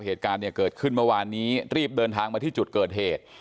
เหตุการณ์เนี่ยเกิดขึ้นเมื่อวานนี้รีบเดินทางมาที่จุดเกิดเหตุ